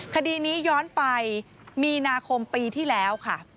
คดีนี้ย้อนไปมีนาคมปีที่แล้วค่ะ